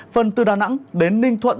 phần từ đà nẵng đến ninh thuận